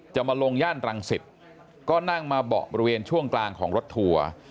จะมาลงย่านรังสิตก็นั่งมาเบาะบริเวณช่วงกลางของรถทัวร์